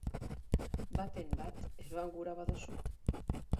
Baten bat eroan gura badozu...